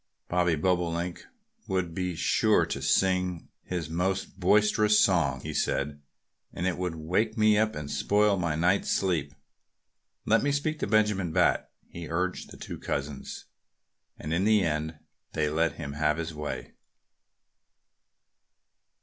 "The Bobolink person would be sure to sing his most boisterous song," he said, "and it would wake me up and spoil my night's sleep. Let me speak to Benjamin Bat!" he urged the two cousins. And in the end they let him have his way.